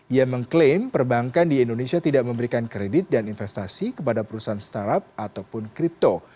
ia mengklaim perbankan di indonesia tidak memberikan kredit dan investasi kepada perusahaan startup ataupun kripto